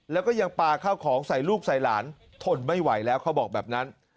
แล้วก็ยังปลาข้าวของใส่ลูกใส่หลานทนไม่ไหวแล้วเขาบอกแบบนั้น